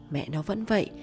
mẹ nó vẫn vậy